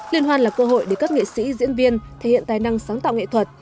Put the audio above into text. liên hoan là cơ hội để các nghệ sĩ diễn viên thể hiện tài năng sáng tạo nghệ thuật